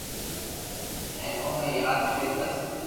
ھين اوني ياد ڪرو بس